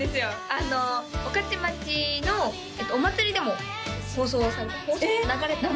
あの御徒町のお祭りでも放送された？